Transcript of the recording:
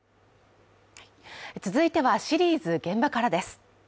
続いては、シリーズ「現場から」です。